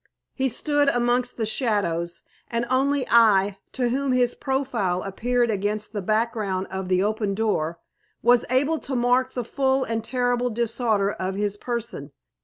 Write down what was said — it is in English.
He stood amongst the shadows, and only I, to whom his profile appeared against the background of the open door, was able to mark the full and terrible disorder of his person.